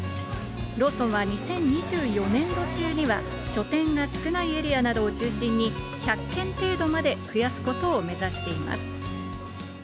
ローソンは２０２４年度中には、書店が少ないエリアなどを中心に、１００軒程度まで増やすことを目指しています。